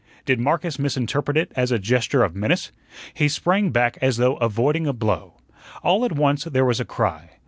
Did Marcus misinterpret it as a gesture of menace? He sprang back as though avoiding a blow. All at once there was a cry.